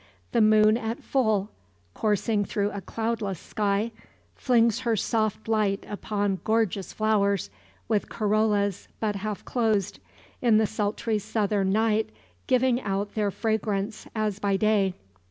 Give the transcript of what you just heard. The moon at full, coursing through a cloudless sky, flings her soft light upon gorgeous flowers with corollas but half closed, in the sultry southern night giving out their fragrance as by day.